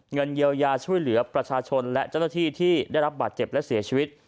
เงินเยียวยาช่วยเหลือประชาชนและเจ้าหน้าที่ที่ได้รับบาดเจ็บและเสียชีวิต